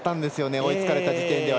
追いつかれた時点では。